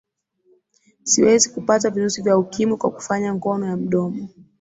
siwezi kupata virusi vya ukimwi kwa kufanya ngono ya mdomo